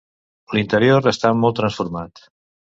L'interior està molt transformat.